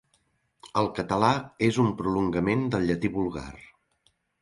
El català és un prolongament del llatí vulgar.